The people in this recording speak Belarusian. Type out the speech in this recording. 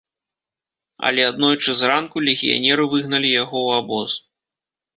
Але аднойчы зранку легіянеры выгналі яго ў абоз.